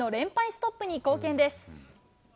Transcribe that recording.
ストップに貢献です。